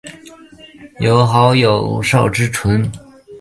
由好友邵志纯为其晚年摹划生计。